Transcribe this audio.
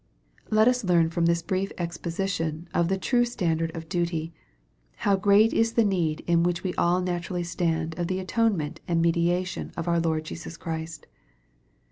Let us learn from this brief exposition of the true stand ard of duty, how great is the need in which we all natu rally stand of the atonement and mediation of our Lord Jesus Christ.